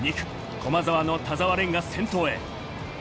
駒澤の田澤廉が先頭へ。